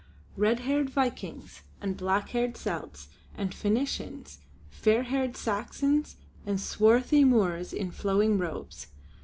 Red haired Vikings and black haired Celts and Phoenicians, fair haired Saxons and swarthy Moors in flowing robes.